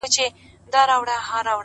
• راځی چي وشړو له خپلو کلیو,